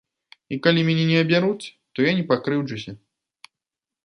І калі мяне не абяруць, то я не пакрыўджуся.